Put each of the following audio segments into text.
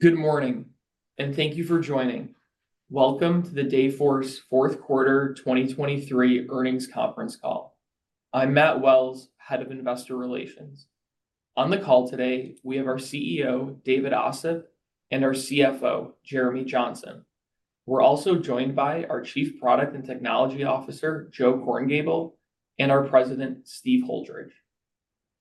Good morning, and thank you for joining. Welcome to the Dayforce fourth quarter 2023 earnings conference call. I'm Matt Wells, Head of Investor Relations. On the call today, we have our CEO, David Ossip, and our CFO, Jeremy Johnson. We're also joined by our Chief Product and Technology Officer, Joe Korngiebel, and our President, Steve Holdridge.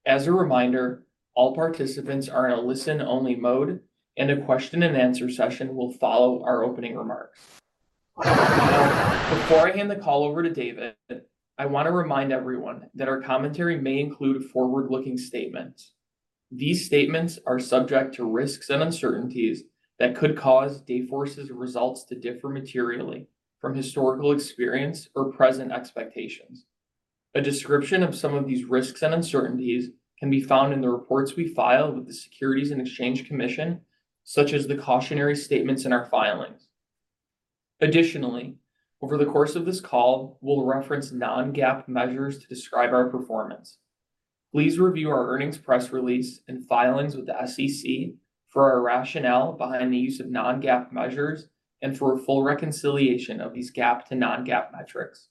As a reminder, all participants are in a listen-only mode, and a question and answer session will follow our opening remarks. Before I hand the call over to David, I want to remind everyone that our commentary may include forward-looking statements. These statements are subject to risks and uncertainties that could cause Dayforce's results to differ materially from historical experience or present expectations. A description of some of these risks and uncertainties can be found in the reports we filed with the Securities and Exchange Commission, such as the cautionary statements in our filings. Additionally, over the course of this call, we'll reference non-GAAP measures to describe our performance. Please review our earnings press release and filings with the SEC for our rationale behind the use of non-GAAP measures and for a full reconciliation of these GAAP to non-GAAP metrics.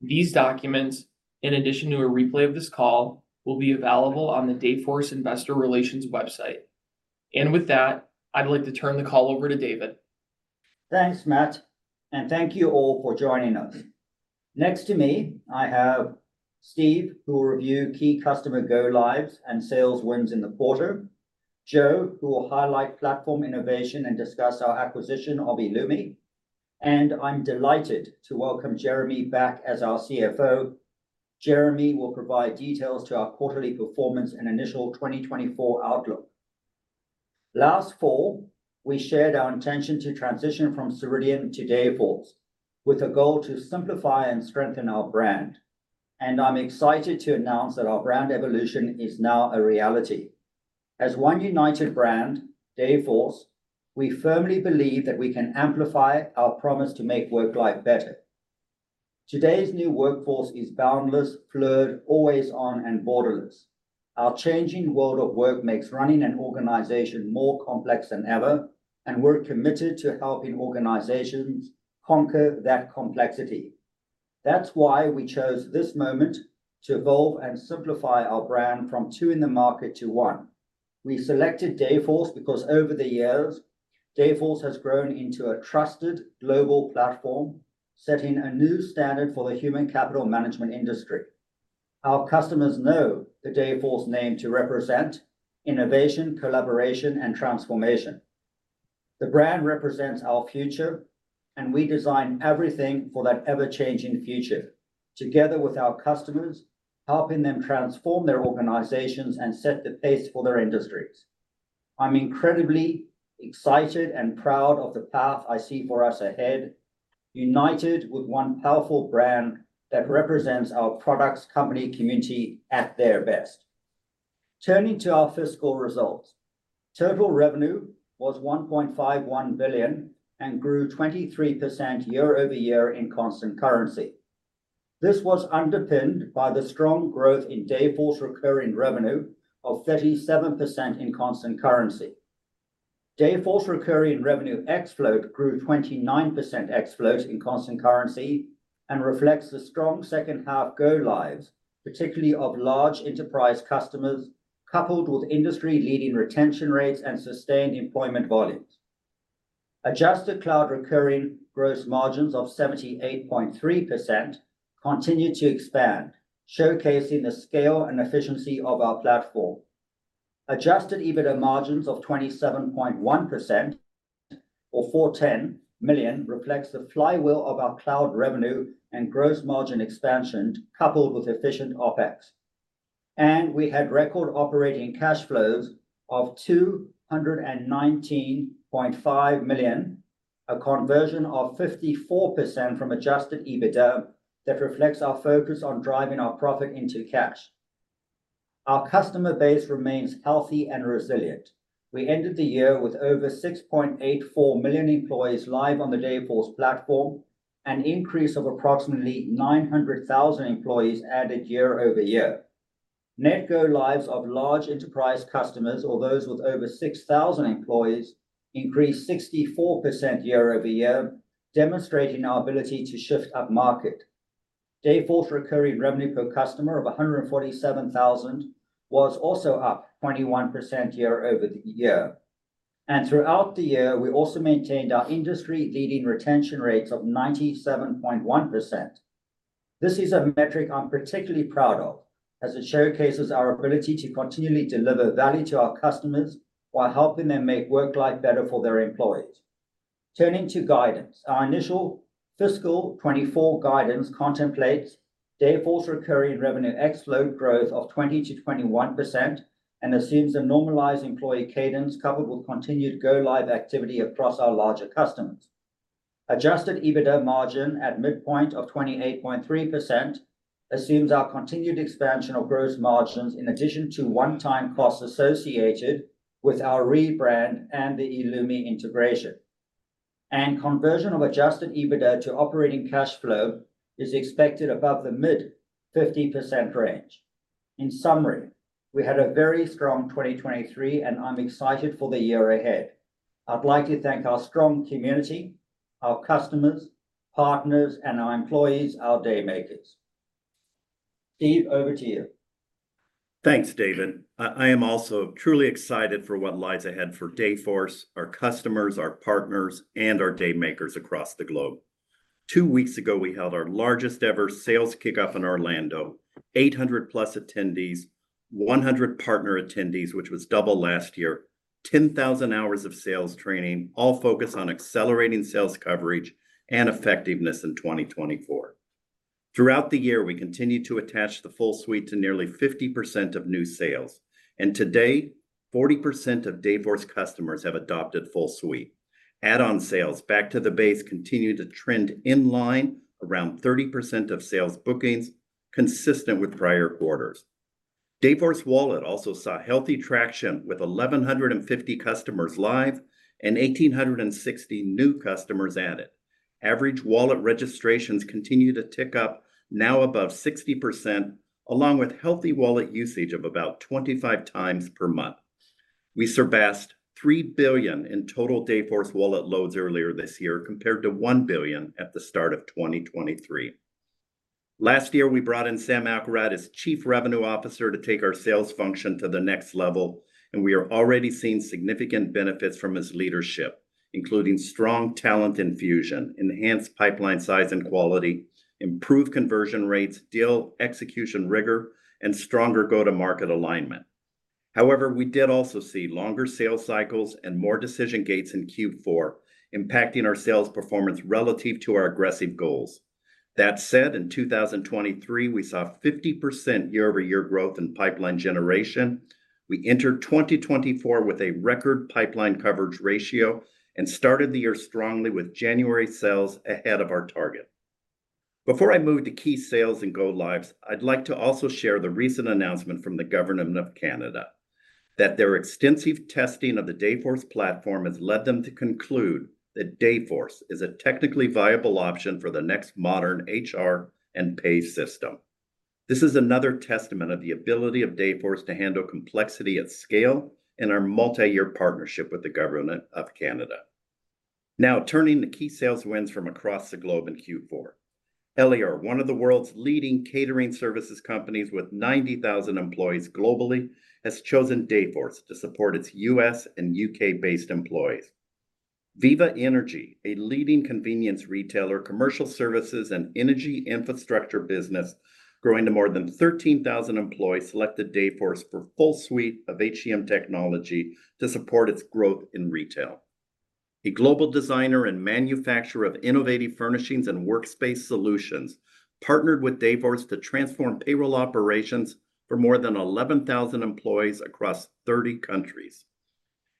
These documents, in addition to a replay of this call, will be available on the Dayforce Investor Relations website. With that, I'd like to turn the call over to David. Thanks, Matt, and thank you all for joining us. Next to me, I have Steve, who will review key customer go-lives and sales wins in the quarter, Joe, who will highlight platform innovation and discuss our acquisition of eloomi, and I'm delighted to welcome Jeremy back as our CFO. Jeremy will provide details to our quarterly performance and initial 2024 outlook. Last fall, we shared our intention to transition from Ceridian to Dayforce, with a goal to simplify and strengthen our brand, and I'm excited to announce that our brand evolution is now a reality. As one united brand, Dayforce, we firmly believe that we can amplify our promise to make work life better. Today's new workforce is boundless, blurred, always on, and borderless. Our changing world of work makes running an organization more complex than ever, and we're committed to helping organizations conquer that complexity. That's why we chose this moment to evolve and simplify our brand from two in the market to one. We selected Dayforce because over the years, Dayforce has grown into a trusted global platform, setting a new standard for the human capital management industry. Our customers know the Dayforce name to represent innovation, collaboration, and transformation. The brand represents our future, and we design everything for that ever-changing future, together with our customers, helping them transform their organizations and set the pace for their industries. I'm incredibly excited and proud of the path I see for us ahead, united with one powerful brand that represents our products, company, community at their best. Turning to our fiscal results, total revenue was $1.51 billion and grew 23% year-over-year in constant currency. This was underpinned by the strong growth in Dayforce recurring revenue of 37% in constant currency. Dayforce recurring revenue ex float grew 29% ex float in constant currency and reflects the strong second half go-lives, particularly of large enterprise customers, coupled with industry-leading retention rates and sustained employment volumes. Adjusted cloud recurring gross margins of 78.3% continued to expand, showcasing the scale and efficiency of our platform. Adjusted EBITDA margins of 27.1% or $410 million reflects the flywheel of our cloud revenue and gross margin expansion, coupled with efficient OpEx. We had record operating cash flows of $219.5 million, a conversion of 54% from adjusted EBITDA that reflects our focus on driving our profit into cash. Our customer base remains healthy and resilient. We ended the year with over 6.84 million employees live on the Dayforce platform, an increase of approximately 900,000 employees added year-over-year. Net go-lives of large enterprise customers, or those with over 6,000 employees, increased 64% year-over-year, demonstrating our ability to shift upmarket. Dayforce recurring revenue per customer of $147,000 was also up 21% year-over-year. And throughout the year, we also maintained our industry-leading retention rates of 97.1%. This is a metric I'm particularly proud of, as it showcases our ability to continually deliver value to our customers while helping them make work life better for their employees. Turning to guidance, our initial fiscal 2024 guidance contemplates Dayforce recurring revenue ex float growth of 20%-21% and assumes a normalized employee cadence coupled with continued go-live activity across our larger customers. Adjusted EBITDA margin at midpoint of 28.3% assumes our continued expansion of gross margins in addition to one-time costs associated with our rebrand and the eloomi integration. Conversion of adjusted EBITDA to operating cash flow is expected above the mid-50% range. In summary, we had a very strong 2023, and I'm excited for the year ahead. I'd like to thank our strong community, our customers, partners, and our employees, our Daymakers. Steve, over to you. Thanks, David. I am also truly excited for what lies ahead for Dayforce, our customers, our partners, and our Daymakers across the globe. Two weeks ago, we held our largest-ever sales kickoff in Orlando. 800+ attendees, 100 partner attendees, which was double last year, 10,000 hours of sales training, all focused on accelerating sales coverage and effectiveness in 2024. Throughout the year, we continued to attach the full suite to nearly 50% of new sales, and today, 40% of Dayforce customers have adopted full suite. Add-on sales back to the base continued to trend in line, around 30% of sales bookings, consistent with prior quarters. Dayforce Wallet also saw healthy traction, with 1,150 customers live and 1,860 new customers added. Average wallet registrations continue to tick up, now above 60%, along with healthy wallet usage of about 25 times per month. We surpassed 3 billion in total Dayforce Wallet loads earlier this year, compared to 1 billion at the start of 2023. Last year, we brought in Sam Alkharrat as Chief Revenue Officer to take our sales function to the next level, and we are already seeing significant benefits from his leadership, including strong talent infusion, enhanced pipeline size and quality, improved conversion rates, deal execution rigor, and stronger go-to-market alignment. However, we did also see longer sales cycles and more decision gates in Q4, impacting our sales performance relative to our aggressive goals. That said, in 2023, we saw 50% year-over-year growth in pipeline generation. We entered 2024 with a record pipeline coverage ratio and started the year strongly with January sales ahead of our target. Before I move to key sales and go-lives, I'd like to also share the recent announcement from the Government of Canada that their extensive testing of the Dayforce platform has led them to conclude that Dayforce is a technically viable option for the next modern HR and pay system. This is another testament of the ability of Dayforce to handle complexity at scale and our multi-year partnership with the Government of Canada. Now, turning to key sales wins from across the globe in Q4. Elior, one of the world's leading catering services companies with 90,000 employees globally, has chosen Dayforce to support its U.S.- and U.K.-based employees. Viva Energy, a leading convenience retailer, commercial services, and energy infrastructure business growing to more than 13,000 employees, selected Dayforce for full suite of HCM technology to support its growth in retail. A global designer and manufacturer of innovative furnishings and workspace solutions partnered with Dayforce to transform payroll operations for more than 11,000 employees across 30 countries.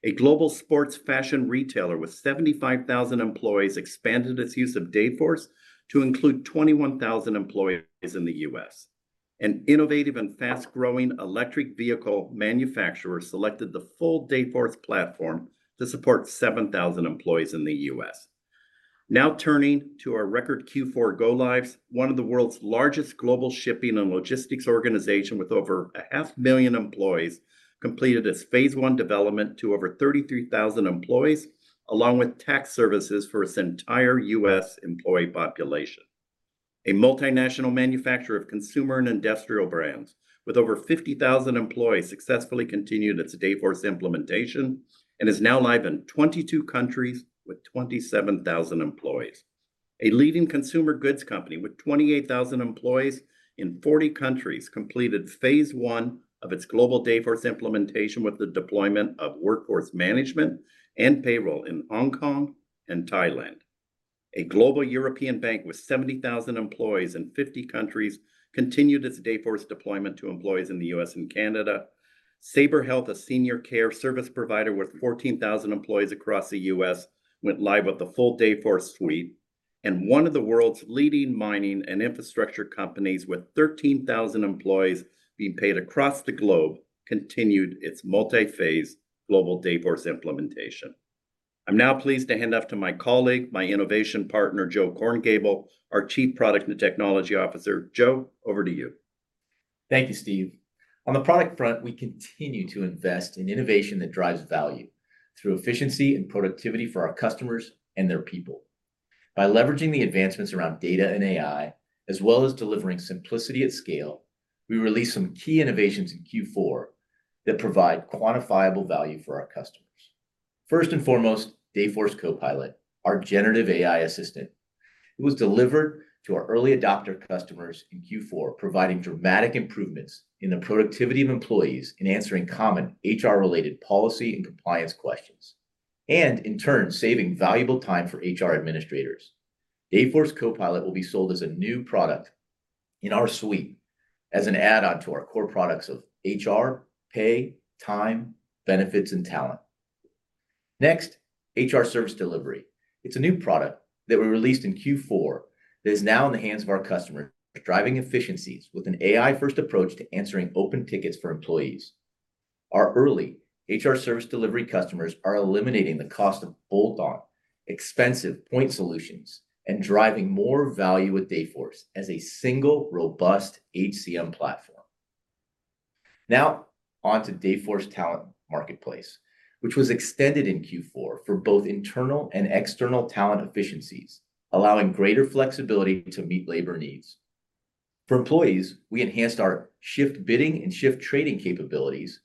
A global sports fashion retailer with 75,000 employees expanded its use of Dayforce to include 21,000 employees in the U.S. An innovative and fast-growing electric vehicle manufacturer selected the full Dayforce platform to support 7,000 employees in the U.S. Now, turning to our record Q4 go-lives, one of the world's largest global shipping and logistics organization, with over a half million employees, completed its phase one development to over 33,000 employees, along with tax services for its entire US employee population. A multinational manufacturer of consumer and industrial brands with over 50,000 employees successfully continued its Dayforce implementation and is now live in 22 countries with 27,000 employees. A leading consumer goods company with 28,000 employees in 40 countries completed phase 1 of its global Dayforce implementation with the deployment of workforce management and payroll in Hong Kong and Thailand. A global European bank with 70,000 employees in 50 countries continued its Dayforce deployment to employees in the U.S. and Canada. Saber Health, a senior care service provider with 14,000 employees across the U.S., went live with the full Dayforce Suite. And one of the world's leading mining and infrastructure companies, with 13,000 employees being paid across the globe, continued its multi-phase global Dayforce implementation. I'm now pleased to hand off to my colleague, my innovation partner, Joe Korngiebel, our Chief Product and Technology Officer. Joe, over to you. Thank you, Steve. On the product front, we continue to invest in innovation that drives value through efficiency and productivity for our customers and their people. By leveraging the advancements around data and AI, as well as delivering simplicity at scale, we released some key innovations in Q4 that provide quantifiable value for our customers. First and foremost, Dayforce Copilot, our generative AI assistant. It was delivered to our early adopter customers in Q4, providing dramatic improvements in the productivity of employees in answering common HR-related policy and compliance questions, and in turn, saving valuable time for HR administrators. Dayforce Copilot will be sold as a new product in our suite as an add-on to our core products of HR, pay, time, benefits, and talent. Next, HR Service Delivery. It's a new product that we released in Q4 that is now in the hands of our customers, driving efficiencies with an AI-first approach to answering open tickets for employees. Our early HR service delivery customers are eliminating the cost of bolt-on, expensive point solutions, and driving more value with Dayforce as a single, robust HCM platform. Now, on to Dayforce Talent Marketplace, which was extended in Q4 for both internal and external talent efficiencies, allowing greater flexibility to meet labor needs. For employees, we enhanced our shift bidding and shift trading capabilities,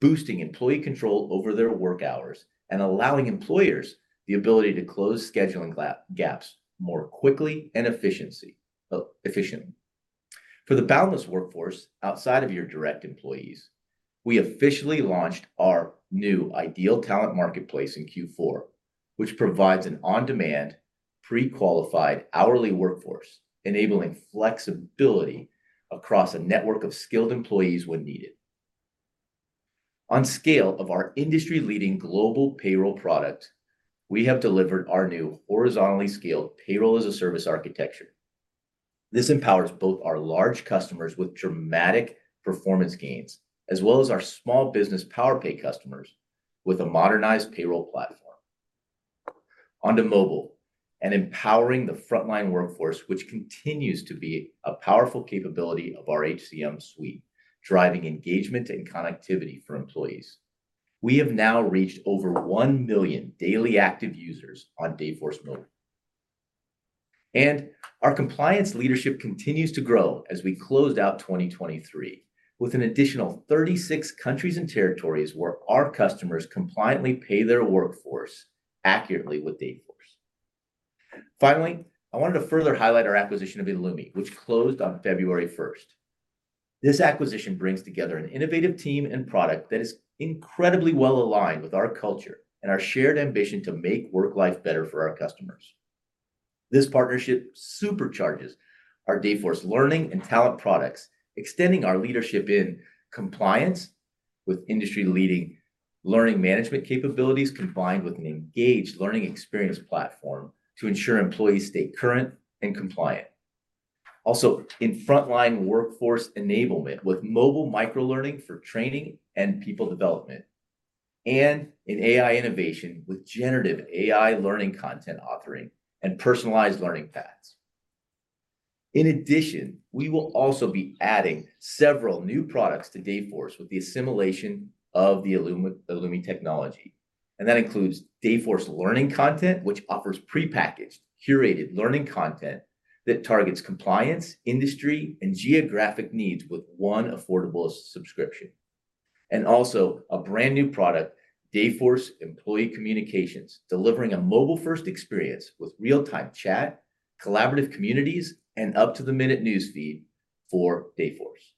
boosting employee control over their work hours and allowing employers the ability to close scheduling gaps more quickly and efficiently. For the boundless workforce, outside of your direct employees, we officially launched our new Ideal Talent Marketplace in Q4, which provides an on-demand, pre-qualified hourly workforce, enabling flexibility across a network of skilled employees when needed. On scale of our industry-leading global payroll product, we have delivered our new horizontally scaled payroll-as-a-service architecture. This empowers both our large customers with dramatic performance gains, as well as our small business Powerpay customers, with a modernized payroll platform. On to mobile, and empowering the frontline workforce, which continues to be a powerful capability of our HCM suite, driving engagement and connectivity for employees. We have now reached over 1 million daily active users on Dayforce Mobile. Our compliance leadership continues to grow as we closed out 2023, with an additional 36 countries and territories where our customers compliantly pay their workforce accurately with Dayforce. Finally, I wanted to further highlight our acquisition of eloomi, which closed on February first. This acquisition brings together an innovative team and product that is incredibly well-aligned with our culture and our shared ambition to make work life better for our customers. This partnership supercharges our Dayforce learning and talent products, extending our leadership in compliance with industry-leading learning management capabilities, combined with an engaged learning experience platform, to ensure employees stay current and compliant. Also, in frontline workforce enablement, with mobile micro-learning for training and people development, and in AI innovation, with generative AI learning content authoring, and personalized learning paths. In addition, we will also be adding several new products to Dayforce with the assimilation of the eloomi, eloomi technology. That includes Dayforce Learning Content, which offers prepackaged, curated learning content that targets compliance, industry, and geographic needs with one affordable subscription. And also a brand-new product, Dayforce Employee Communications, delivering a mobile-first experience with real-time chat, collaborative communities, and up-to-the-minute newsfeed for Dayforce.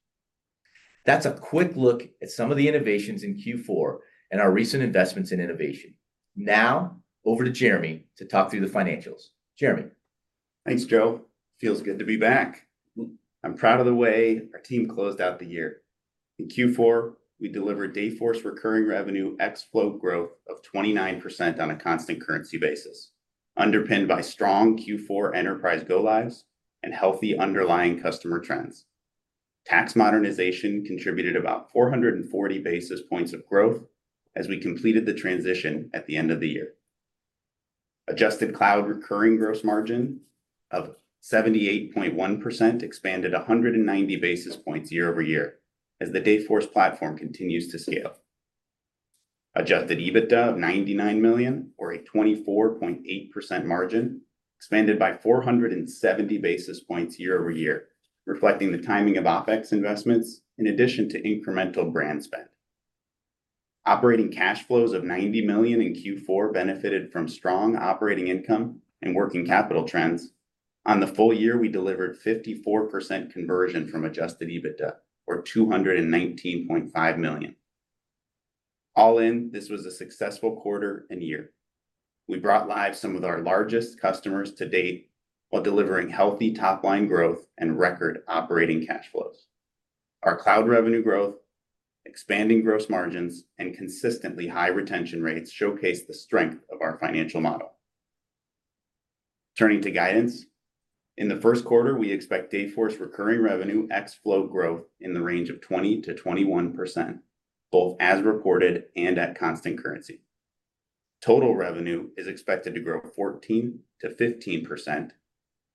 That's a quick look at some of the innovations in Q4 and our recent investments in innovation. Now, over to Jeremy to talk through the financials. Jeremy? Thanks, Joe. Feels good to be back. I'm proud of the way our team closed out the year. In Q4, we delivered Dayforce recurring revenue ex float growth of 29% on a constant currency basis, underpinned by strong Q4 enterprise go-lives and healthy underlying customer trends. Tax modernization contributed about 440 basis points of growth as we completed the transition at the end of the year. Adjusted cloud recurring gross margin of 78.1% expanded 190 basis points year-over-year, as the Dayforce platform continues to scale. Adjusted EBITDA of $99 million, or a 24.8% margin, expanded by 470 basis points year-over-year, reflecting the timing of OpEx investments in addition to incremental brand spend. Operating cash flows of $90 million in Q4 benefited from strong operating income and working capital trends. On the full year, we delivered 54% conversion from Adjusted EBITDA, or $219.5 million. All in, this was a successful quarter and year. We brought live some of our largest customers to date, while delivering healthy top-line growth and record operating cash flows. Our cloud revenue growth, expanding gross margins, and consistently high retention rates showcase the strength of our financial model. Turning to guidance, in the first quarter, we expect Dayforce recurring revenue ex float growth in the range of 20%-21%, both as reported and at constant currency. Total revenue is expected to grow 14%-15%,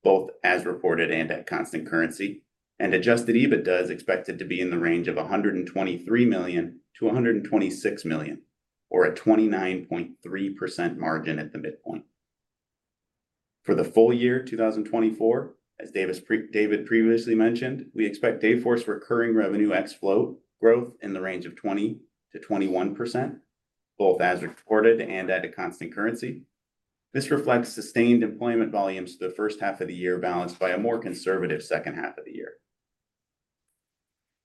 both as reported and at constant currency, and Adjusted EBITDA is expected to be in the range of $123 million-$126 million, or a 29.3% margin at the midpoint. For the full year 2024, as David previously mentioned, we expect Dayforce recurring revenue ex float growth in the range of 20%-21%, both as reported and at a constant currency. This reflects sustained employment volumes the first half of the year, balanced by a more conservative second half of the year.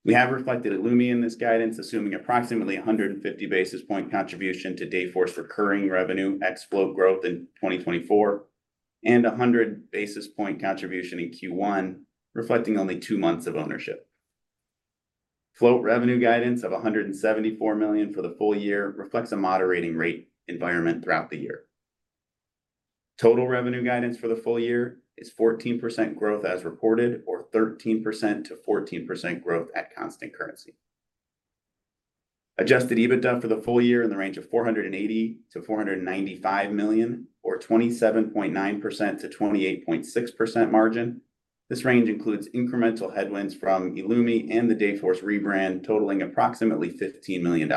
We have reflected eloomi in this guidance, assuming approximately 150 basis point contribution to Dayforce recurring revenue ex float growth in 2024, and 100 basis point contribution in Q1, reflecting only 2 months of ownership. Float revenue guidance of $174 million for the full year reflects a moderating rate environment throughout the year. Total revenue guidance for the full year is 14% growth as reported, or 13%-14% growth at constant currency. Adjusted EBITDA for the full year in the range of $480 million-$495 million, or 27.9%-28.6% margin. This range includes incremental headwinds from eloomi and the Dayforce rebrand, totaling approximately $15 million.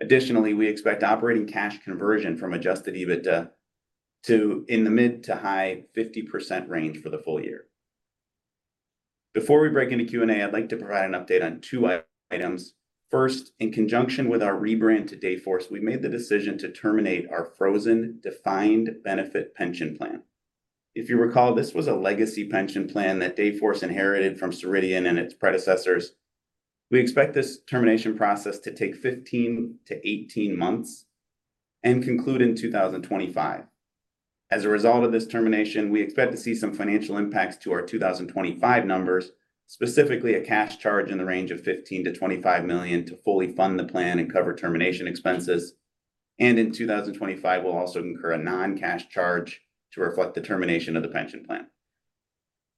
Additionally, we expect operating cash conversion from adjusted EBITDA to in the mid- to high-50% range for the full year. Before we break into Q&A, I'd like to provide an update on two items. First, in conjunction with our rebrand to Dayforce, we made the decision to terminate our frozen defined benefit pension plan. If you recall, this was a legacy pension plan that Dayforce inherited from Ceridian and its predecessors. We expect this termination process to take 15-18 months and conclude in 2025. As a result of this termination, we expect to see some financial impacts to our 2025 numbers, specifically a cash charge in the range of $15 million-$25 million to fully fund the plan and cover termination expenses. In 2025, we'll also incur a non-cash charge to reflect the termination of the pension plan.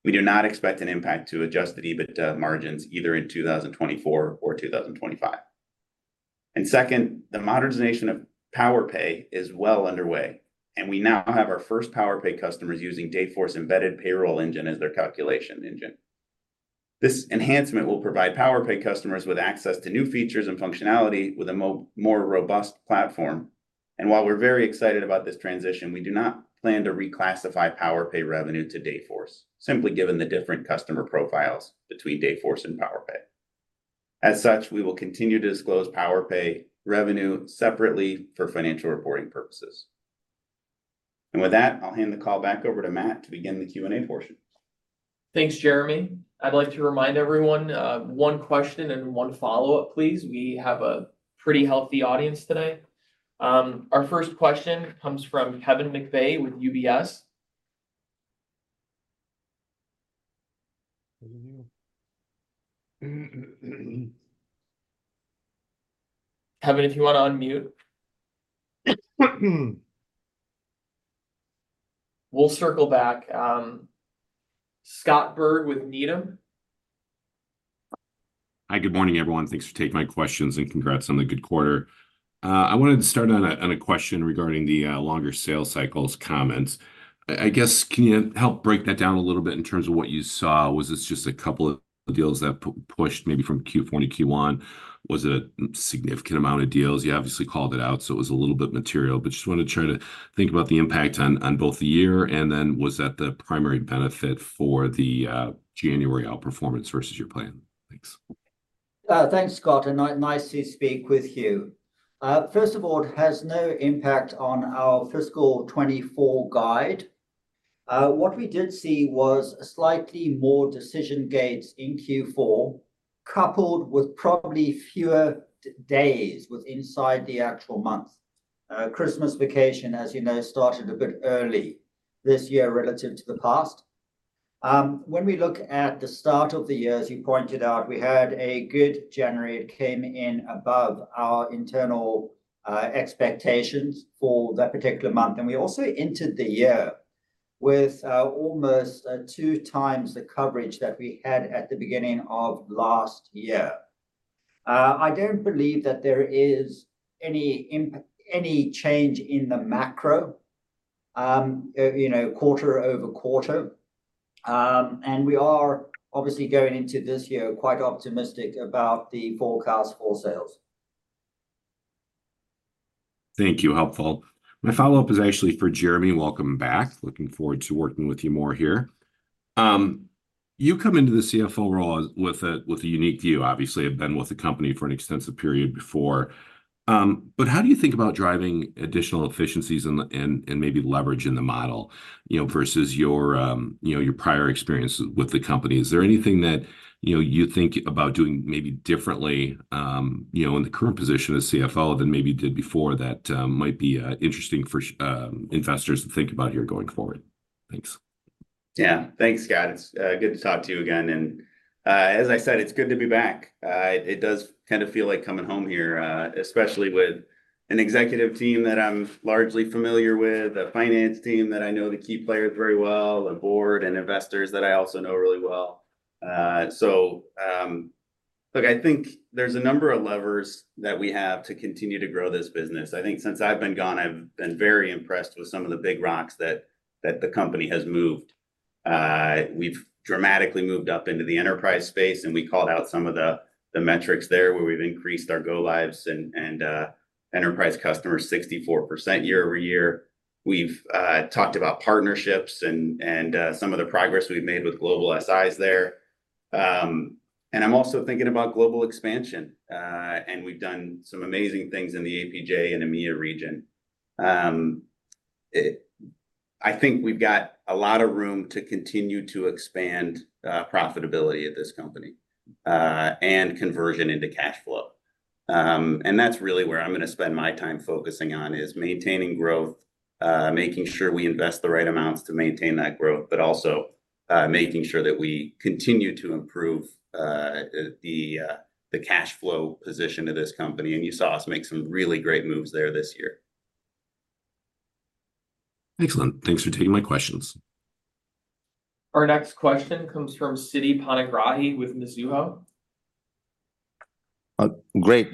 We do not expect an impact to Adjusted EBITDA margins either in 2024 or 2025. Second, the modernization of Powerpay is well underway, and we now have our first Powerpay customers using Dayforce-embedded payroll engine as their calculation engine. This enhancement will provide Powerpay customers with access to new features and functionality with a more robust platform. And while we're very excited about this transition, we do not plan to reclassify Powerpay revenue to Dayforce, simply given the different customer profiles between Dayforce and Powerpay. As such, we will continue to disclose Powerpay revenue separately for financial reporting purposes. And with that, I'll hand the call back over to Matt to begin the Q&A portion. Thanks, Jeremy. I'd like to remind everyone, one question and one follow-up, please. We have a pretty healthy audience today. Our first question comes from Kevin McVeigh with UBS. How are you? Kevin, if you want to unmute. We'll circle back. Scott Berg with Needham. Hi. Good morning, everyone. Thanks for taking my questions, and congrats on the good quarter. I wanted to start on a, on a question regarding the longer sales cycles comments. I guess, can you help break that down a little bit in terms of what you saw? Was this just a couple of deals that pushed maybe from Q4 to Q1? Was it a significant amount of deals? You obviously called it out, so it was a little bit material, but just wanted to try to think about the impact on both the year, and then was that the primary benefit for the January outperformance versus your plan? Thanks. Thanks, Scott, and nice to speak with you. First of all, it has no impact on our fiscal 2024 guide. What we did see was slightly more decision gates in Q4, coupled with probably fewer days within the actual month. Christmas vacation, as you know, started a bit early this year relative to the past. When we look at the start of the year, as you pointed out, we had a good January. It came in above our internal expectations for that particular month. And we also entered the year with almost 2x the coverage that we had at the beginning of last year. I don't believe that there is any change in the macro, you know, quarter-over-quarter. We are obviously going into this year quite optimistic about the forecast for sales. Thank you. Helpful. My follow-up is actually for Jeremy. Welcome back. Looking forward to working with you more here. You come into the CFO role with a unique view, obviously, have been with the company for an extensive period before. But how do you think about driving additional efficiencies and maybe leverage in the model, you know, versus your prior experience with the company? Is there anything that, you know, you think about doing maybe differently in the current position as CFO than maybe you did before, that might be interesting for investors to think about here going forward? Thanks. Yeah. Thanks, Scott. It's good to talk to you again. As I said, it's good to be back. It does kind of feel like coming home here, especially with an executive team that I'm largely familiar with, a finance team that I know the key players very well, a board and investors that I also know really well. Look, I think there's a number of levers that we have to continue to grow this business. I think since I've been gone, I've been very impressed with some of the big rocks that the company has moved. We've dramatically moved up into the enterprise space, and we called out some of the metrics there, where we've increased our go lives and enterprise customers 64% year-over-year. We've talked about partnerships and some of the progress we've made with global SIs there. And I'm also thinking about global expansion, and we've done some amazing things in the APJ and EMEA region. I think we've got a lot of room to continue to expand profitability at this company, and conversion into cash flow. And that's really where I'm going to spend my time focusing on, is maintaining growth, making sure we invest the right amounts to maintain that growth, but also making sure that we continue to improve the cash flow position of this company, and you saw us make some really great moves there this year. Excellent. Thanks for taking my questions. Our next question comes from Siti Panigrahi with Mizuho. Great.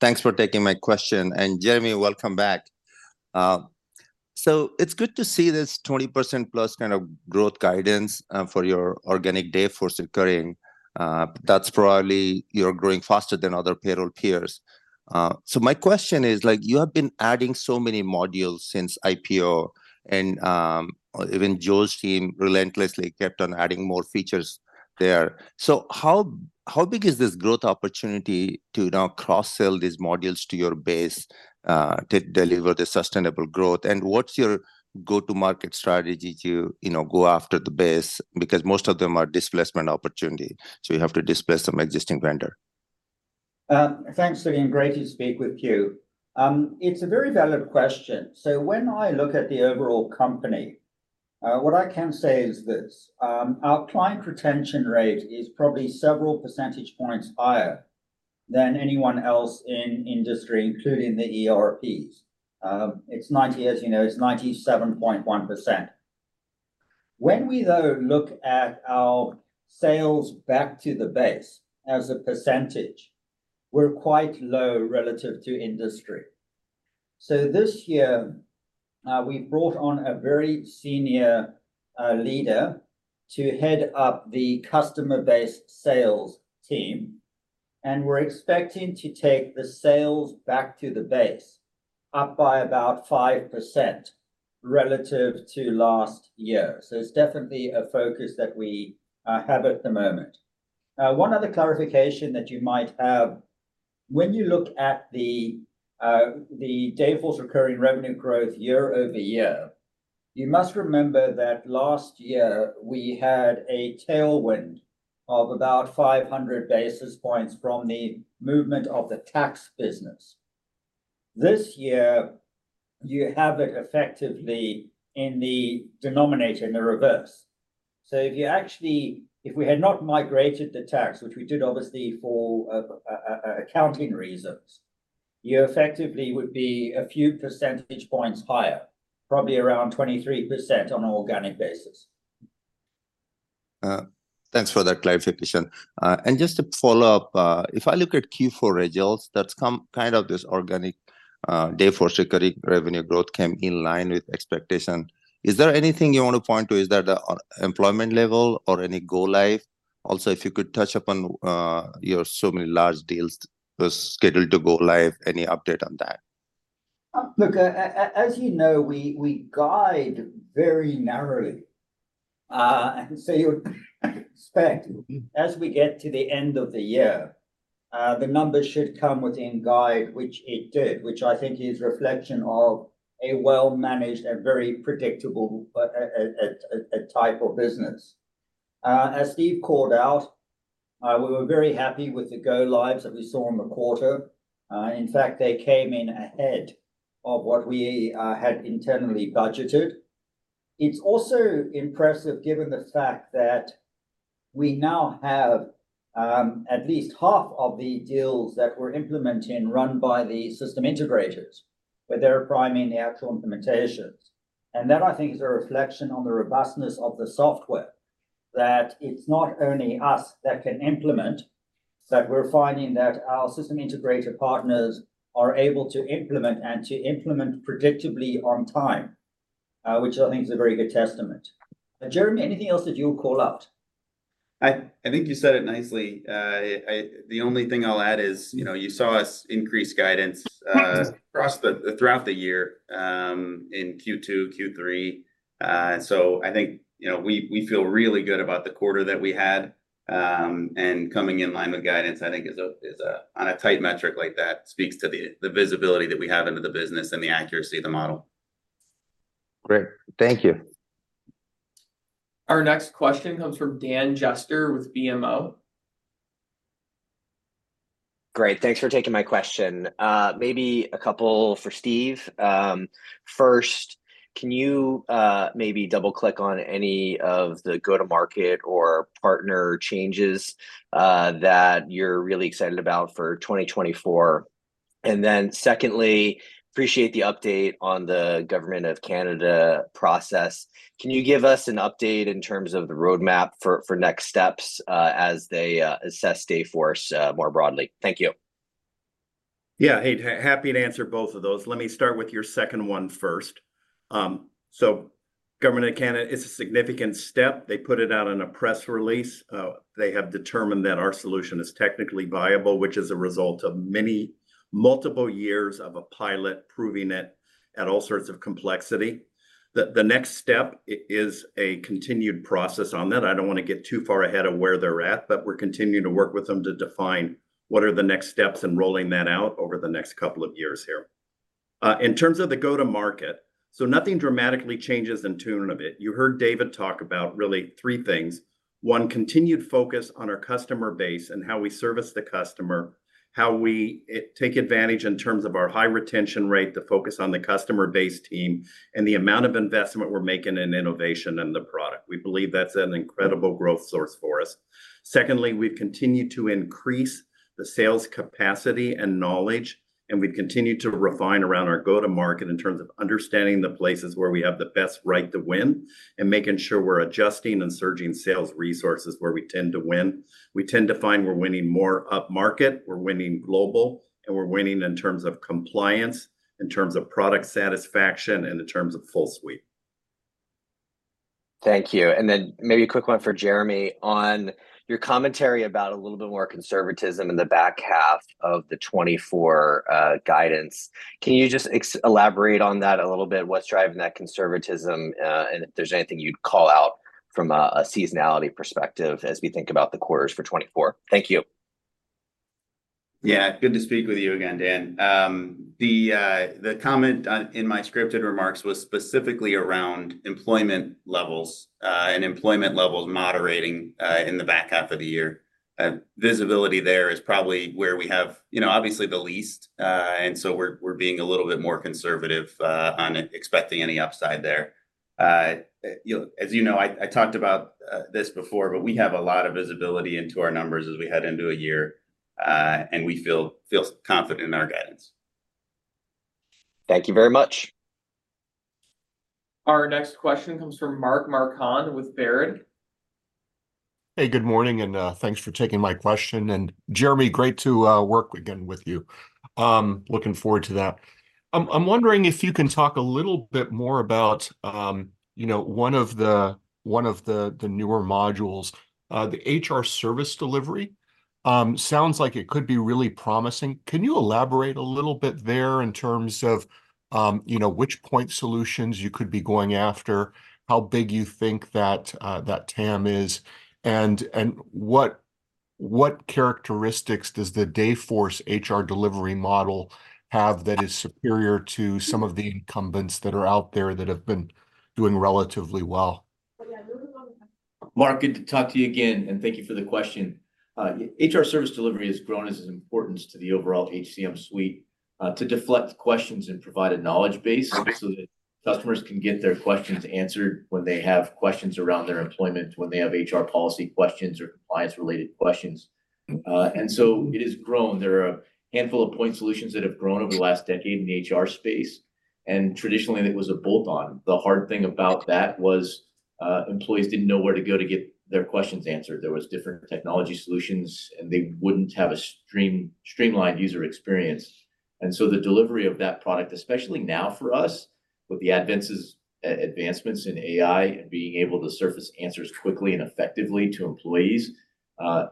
Thanks for taking my question, and Jeremy, welcome back. So it's good to see this 20%+ kind of growth guidance for your organic Dayforce recurring. That's probably you're growing faster than other payroll peers. So my question is, like, you have been adding so many modules since IPO, and even Joe's team relentlessly kept on adding more features there. So how big is this growth opportunity to now cross-sell these modules to your base to deliver the sustainable growth? And what's your go-to-market strategy to, you know, go after the base? Because most of them are displacement opportunity, so you have to displace some existing vendor. Thanks, Siti, and great to speak with you. It's a very valid question. So when I look at the overall company, what I can say is this: our client retention rate is probably several percentage points higher than anyone else in industry, including the ERPs. It's 97.1%, as you know. When we, though, look at our sales back to the base as a percentage, we're quite low relative to industry. So this year, we brought on a very senior leader to head up the customer-based sales team, and we're expecting to take the sales back to the base up by about 5% relative to last year. So it's definitely a focus that we have at the moment. One other clarification that you might have, when you look at the Dayforce recurring revenue growth year-over-year, you must remember that last year we had a tailwind of about 500 basis points from the movement of the tax business. This year, you have it effectively in the denominator, in the reverse. So if you actually... If we had not migrated the tax, which we did obviously for accounting reasons, you effectively would be a few percentage points higher, probably around 23% on an organic basis. Thanks for that clarification. And just to follow up, if I look at Q4 results, that's come kind of this organic, Dayforce recurring revenue growth came in line with expectation. Is there anything you want to point to? Is that the, employment level or any go live? Also, if you could touch upon, your so many large deals that's scheduled to go live. Any update on that? Look, as you know, we guide very narrowly. And so you would expect as we get to the end of the year, the numbers should come within guide, which it did, which I think is reflection of a well-managed and very predictable type of business. As Steve called out, we were very happy with the go lives that we saw in the quarter. In fact, they came in ahead of what we had internally budgeted. It's also impressive given the fact that we now have at least half of the deals that we're implementing run by the system integrators, where they're priming the actual implementations. That, I think, is a reflection on the robustness of the software, that it's not only us that can implement, but we're finding that our system integrator partners are able to implement and to implement predictably on time, which I think is a very good testament. Jeremy, anything else that you'll call out? I think you said it nicely. The only thing I'll add is, you know, you saw us increase guidance throughout the year in Q2, Q3. So I think, you know, we feel really good about the quarter that we had. And coming in line with guidance, I think is on a tight metric like that, speaks to the visibility that we have into the business and the accuracy of the model. Great. Thank you. Our next question comes from Dan Jester with BMO. Great. Thanks for taking my question. Maybe a couple for Steve. First, can you maybe double-click on any of the go-to-market or partner changes that you're really excited about for 2024? And then secondly, appreciate the update on the Government of Canada process. Can you give us an update in terms of the roadmap for next steps as they assess Dayforce more broadly? Thank you. Yeah, hey, happy to answer both of those. Let me start with your second one first. So Government of Canada, it's a significant step. They put it out in a press release. They have determined that our solution is technically viable, which is a result of many, multiple years of a pilot proving it at all sorts of complexity. The next step is a continued process on that. I don't wanna get too far ahead of where they're at, but we're continuing to work with them to define what are the next steps in rolling that out over the next couple of years here. In terms of the go-to-market, so nothing dramatically changes in tune of it. You heard David talk about really three things:... One continued focus on our customer base and how we service the customer, how we take advantage in terms of our high retention rate, the focus on the customer base team, and the amount of investment we're making in innovation and the product. We believe that's an incredible growth source for us. Secondly, we've continued to increase the sales capacity and knowledge, and we've continued to refine around our go-to-market in terms of understanding the places where we have the best right to win, and making sure we're adjusting and surging sales resources where we tend to win. We tend to find we're winning more upmarket, we're winning global, and we're winning in terms of compliance, in terms of product satisfaction, and in terms of full suite. Thank you. And then maybe a quick one for Jeremy. On your commentary about a little bit more conservatism in the back half of the 2024 guidance, can you just elaborate on that a little bit? What's driving that conservatism, and if there's anything you'd call out from a seasonality perspective as we think about the quarters for 2024? Thank you. Yeah, good to speak with you again, Dan. The comment on, in my scripted remarks was specifically around employment levels, and employment levels moderating, in the back half of the year. Visibility there is probably where we have, you know, obviously the least, and so we're being a little bit more conservative, on expecting any upside there. You know, as you know, I talked about this before, but we have a lot of visibility into our numbers as we head into a year, and we feel confident in our guidance. Thank you very much. Our next question comes from Mark Marcon with Baird. Hey, good morning, and, thanks for taking my question. And Jeremy, great to, work again with you. Looking forward to that. I'm wondering if you can talk a little bit more about, you know, one of the, the newer modules, the HR Service Delivery. Sounds like it could be really promising. Can you elaborate a little bit there in terms of, you know, which point solutions you could be going after, how big you think that, that TAM is? And what characteristics does the Dayforce HR Service Delivery model have that is superior to some of the incumbents that are out there that have been doing relatively well? Mark, good to talk to you again, and thank you for the question. HR Service Delivery has grown as its importance to the overall HCM suite, to deflect questions and provide a knowledge base- so that customers can get their questions answered when they have questions around their employment, when they have HR policy questions or compliance-related questions. And so it has grown. There are a handful of point solutions that have grown over the last decade in the HR space, and traditionally, it was a bolt-on. The hard thing about that was, employees didn't know where to go to get their questions answered. There was different technology solutions, and they wouldn't have a streamlined user experience. And so the delivery of that product, especially now for us, with the advancements in AI and being able to surface answers quickly and effectively to employees,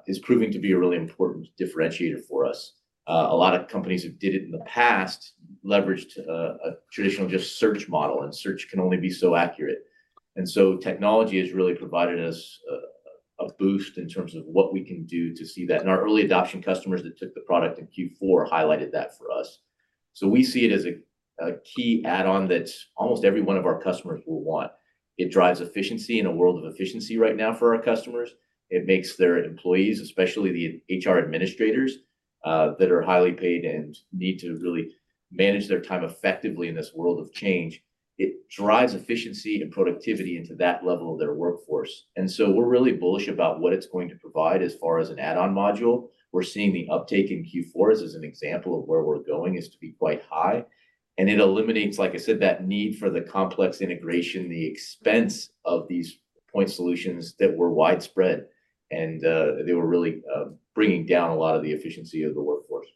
is proving to be a really important differentiator for us. A lot of companies who did it in the past leveraged a traditional just search model, and search can only be so accurate. And so technology has really provided us a boost in terms of what we can do to see that. And our early adoption customers that took the product in Q4 highlighted that for us. So we see it as a key add-on that almost every one of our customers will want. It drives efficiency in a world of efficiency right now for our customers. It makes their employees, especially the HR administrators, that are highly paid and need to really manage their time effectively in this world of change. It drives efficiency and productivity into that level of their workforce. And so we're really bullish about what it's going to provide as far as an add-on module. We're seeing the uptake in Q4, as an example of where we're going, is to be quite high. It eliminates, like I said, that need for the complex integration, the expense of these point solutions that were widespread, and they were really bringing down a lot of the efficiency of the workforce.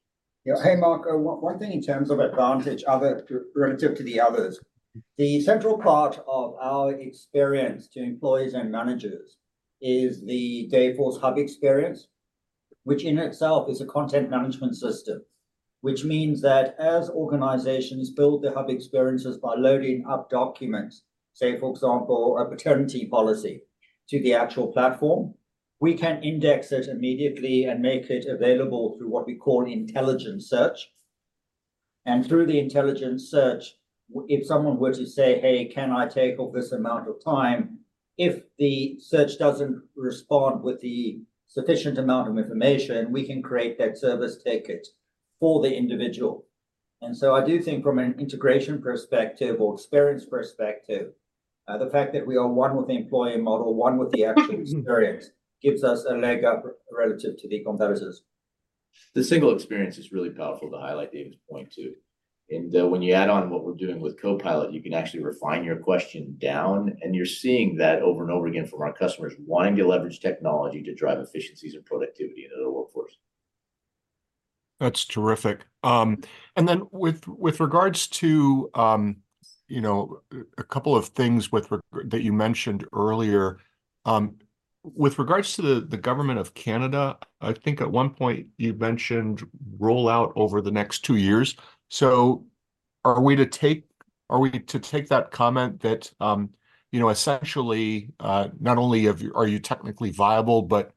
Yeah. Hey, Mark, one thing in terms of advantage, other relative to the others. The central part of our experience to employees and managers is the Dayforce Hub experience, which in itself is a content management system. Which means that as organizations build the Hub experiences by loading up documents, say, for example, a paternity policy, to the actual platform, we can index it immediately and make it available through what we call intelligent search. And through the intelligent search, if someone were to say, "Hey, can I take off this amount of time?" If the search doesn't respond with the sufficient amount of information, we can create that service ticket for the individual. I do think from an integration perspective or experience perspective, the fact that we are one with the employee model, one with the actual experience, gives us a leg up relative to the competitors. The single experience is really powerful to highlight David's point, too. And, when you add on what we're doing with Copilot, you can actually refine your question down, and you're seeing that over and over again from our customers wanting to leverage technology to drive efficiencies and productivity into the workforce. That's terrific. And then with regards to a couple of things that you mentioned earlier, with regards to the Government of Canada, I think at one point you mentioned rollout over the next two years. So are we to take that comment that you know essentially not only are you technically viable, but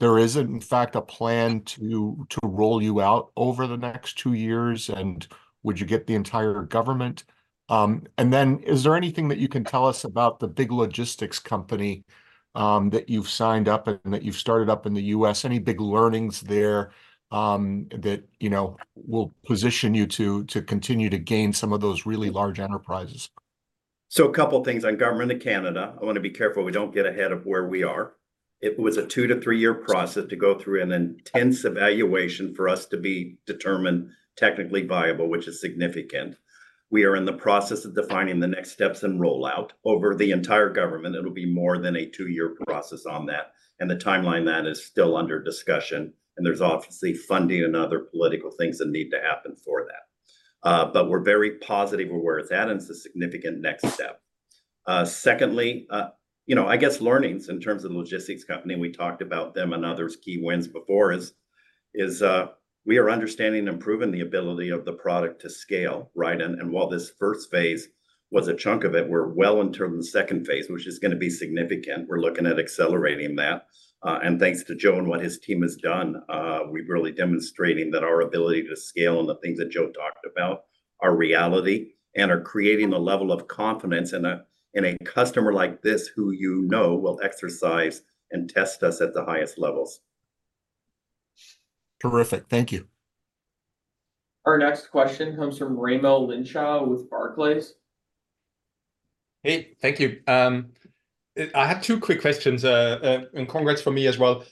there is, in fact, a plan to roll you out over the next two years, and would you get the entire government? And then is there anything that you can tell us about the big logistics company that you've signed up and that you've started up in the U.S.? Any big learnings there that you know will position you to continue to gain some of those really large enterprises? A couple things. On Government of Canada, I want to be careful we don't get ahead of where we are. It was a two-to-three-year process to go through an intense evaluation for us to be determined technically viable, which is significant. We are in the process of defining the next steps and rollout. Over the entire government, it'll be more than a two-year process on that, and the timeline on that is still under discussion, and there's obviously funding and other political things that need to happen for that. But we're very positive of where it's at, and it's a significant next step. Secondly, you know, I guess learnings in terms of the logistics company, and we talked about them and others' key wins before, is we are understanding and improving the ability of the product to scale, right? And while this first phase was a chunk of it, we're well into the second phase, which is gonna be significant. We're looking at accelerating that. And thanks to Joe and what his team has done, we're really demonstrating that our ability to scale and the things that Joe talked about are reality and are creating a level of confidence in a customer like this, who you know will exercise and test us at the highest levels. Terrific. Thank you. Our next question comes from Raimo Lenschow with Barclays. Hey, thank you. I have two quick questions, and congrats from me as well.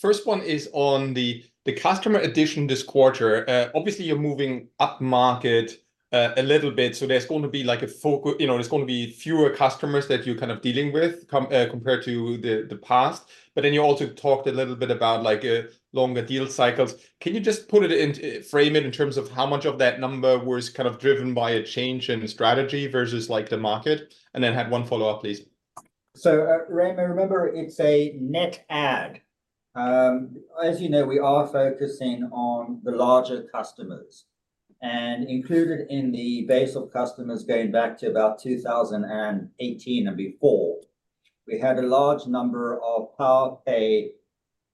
First one is on the customer addition this quarter. Obviously you're moving upmarket a little bit, so there's going to be like a focus. You know, there's going to be fewer customers that you're kind of dealing with compared to the past. But then you also talked a little bit about, like, longer deal cycles. Can you just frame it in terms of how much of that number was kind of driven by a change in strategy versus, like, the market? And then have one follow-up, please. So, Raimo, remember, it's a net add. As you know, we are focusing on the larger customers, and included in the base of customers going back to about 2018 and before, we had a large number of Powerpay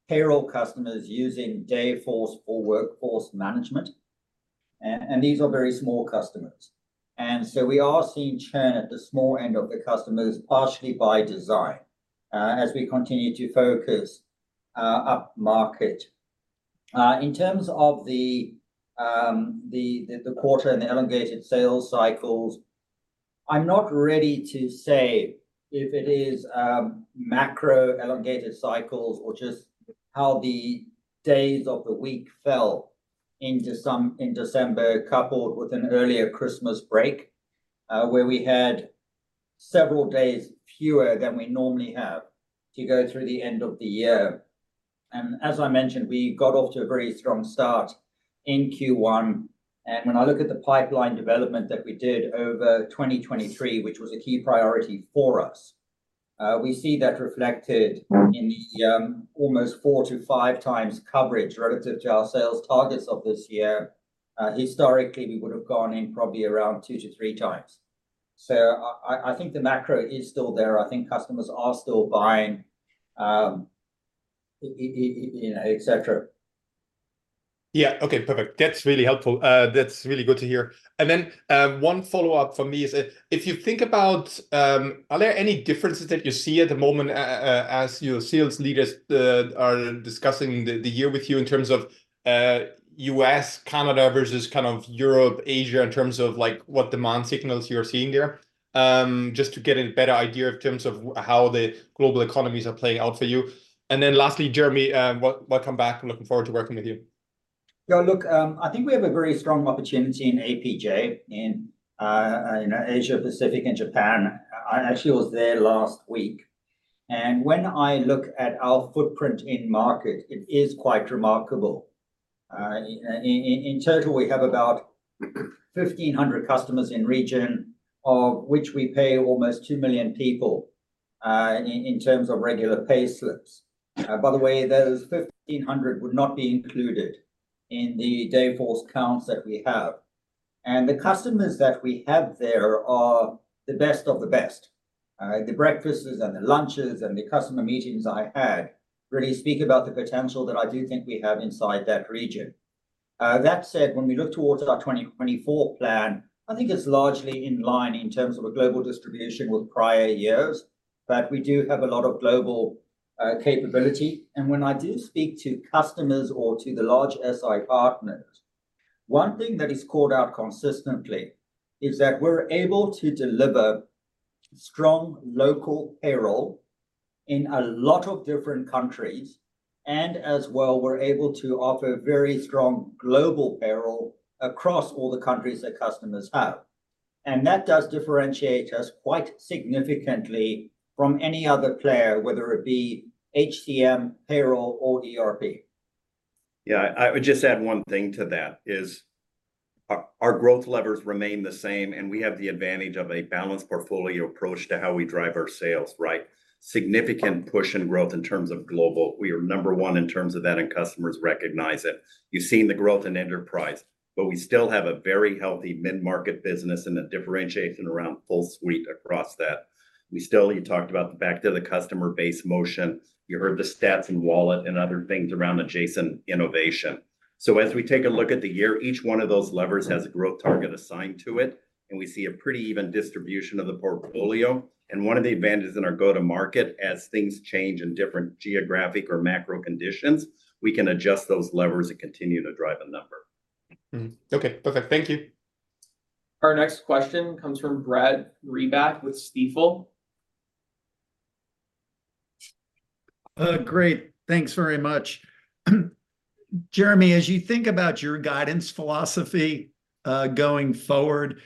payroll customers using Dayforce for workforce management, and these are very small customers. And so we are seeing churn at the small end of the customers, partially by design, as we continue to focus upmarket. In terms of the quarter and the elongated sales cycles, I'm not ready to say if it is macro elongated cycles or just how the days of the week fell into some, in December, coupled with an earlier Christmas break, where we had several days fewer than we normally have to go through the end of the year. As I mentioned, we got off to a very strong start in Q1, and when I look at the pipeline development that we did over 2023, which was a key priority for us, we see that reflected in the almost 4x-5x coverage relative to our sales targets of this year. Historically, we would have gone in probably around 2x-3x. So I think the macro is still there. I think customers are still buying, you know, et cetera. Yeah, okay, perfect. That's really helpful. That's really good to hear. And then, one follow-up from me is if you think about... Are there any differences that you see at the moment, as your sales leaders are discussing the year with you in terms of U.S., Canada, versus kind of Europe, Asia, in terms of, like, what demand signals you're seeing there? Just to get a better idea in terms of how the global economies are playing out for you. And then lastly, Jeremy, welcome back. I'm looking forward to working with you. Yeah, look, I think we have a very strong opportunity in APJ, in, you know, Asia Pacific and Japan. I actually was there last week. When I look at our footprint in market, it is quite remarkable. In total, we have about 1,500 customers in region, of which we pay almost 2 million people, in terms of regular payslips. By the way, those 1,500 would not be included in the Dayforce counts that we have. The customers that we have there are the best of the best. The breakfasts and the lunches and the customer meetings I had really speak about the potential that I do think we have inside that region. That said, when we look towards our 2024 plan, I think it's largely in line in terms of a global distribution with prior years, but we do have a lot of global capability. And when I do speak to customers or to the large SI partners, one thing that is called out consistently is that we're able to deliver strong local payroll in a lot of different countries, and as well, we're able to offer very strong global payroll across all the countries that customers have. And that does differentiate us quite significantly from any other player, whether it be HCM, payroll or ERP. Yeah, I would just add one thing to that, is our, our growth levers remain the same, and we have the advantage of a balanced portfolio approach to how we drive our sales, right? Significant push and growth in terms of global. We are number one in terms of that, and customers recognize it. You've seen the growth in enterprise, but we still have a very healthy mid-market business and the differentiation around full suite across that. We still... You talked about the back to the customer base motion. You heard the stats in wallet and other things around adjacent innovation.... So as we take a look at the year, each one of those levers has a growth target assigned to it, and we see a pretty even distribution of the portfolio. One of the advantages in our go-to-market, as things change in different geographic or macro conditions, we can adjust those levers and continue to drive a number. Mm-hmm. Okay. Okay, thank you. Our next question comes from Brad Reback with Stifel. Great. Thanks very much. Jeremy, as you think about your guidance philosophy, going forward,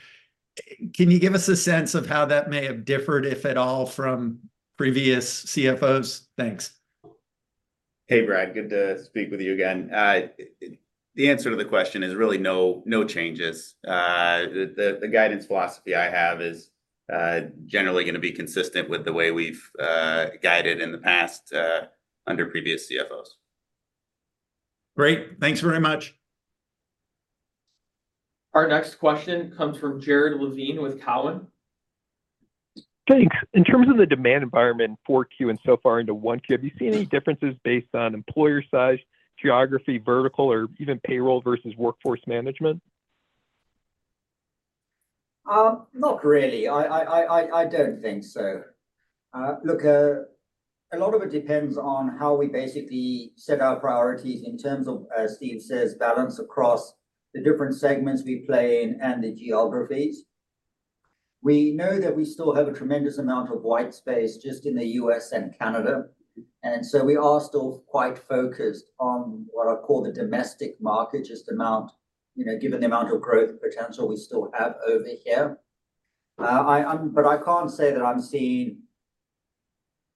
can you give us a sense of how that may have differed, if at all, from previous CFOs? Thanks. Hey, Brad, good to speak with you again. The answer to the question is really no, no changes. The guidance philosophy I have is generally gonna be consistent with the way we've guided in the past under previous CFOs. Great. Thanks very much. Our next question comes from Jared Levine with Cowen. Thanks. In terms of the demand environment for Q4 and so far into Q1, have you seen any differences based on employer size, geography, vertical, or even payroll versus workforce management? Not really. I don't think so. Look, a lot of it depends on how we basically set our priorities in terms of, as Steve says, balance across the different segments we play in and the geographies. We know that we still have a tremendous amount of white space just in the U.S. and Canada, and so we are still quite focused on what I call the domestic market, just amount, you know, given the amount of growth potential we still have over here. But I can't say that I'm seeing